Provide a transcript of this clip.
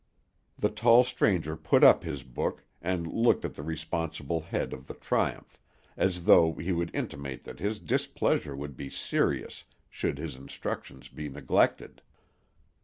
The tall stranger put up his book, and looked at the responsible head of the Triumph, as though he would intimate that his displeasure would be serious should his instructions be neglected.